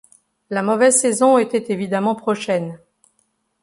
La mauvaise saison était évidemment prochaine.